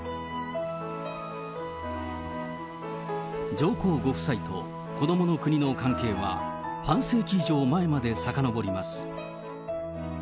上皇ご夫妻とこどもの国の関係は、半世紀以上前までさかのぼります。